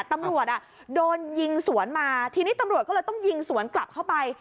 ตำรวจอ่ะโดนยิงสวนมาทีนี้ตำรวจก็เลยต้องยิงสวนกลับเข้าไป